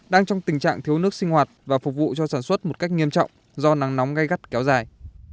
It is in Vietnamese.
đang trong tình trạng thiếu nước sinh hoạt và phục vụ cho sản xuất một cách nghiêm trọng do nắng nóng gây gắt kéo dài